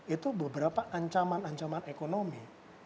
itu beberapa ancaman ancaman ekonomi